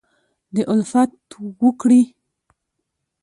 دالفت وکړي